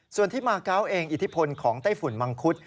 ส่วนที่มาเกาะเองอิทธิพลของไต้ฝุ่นมังคุด